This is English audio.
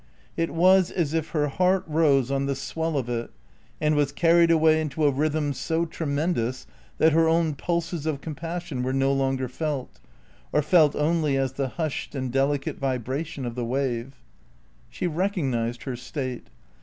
It was as if her heart rose on the swell of it and was carried away into a rhythm so tremendous that her own pulses of compassion were no longer felt, or felt only as the hushed and delicate vibration of the wave. She recognised her state.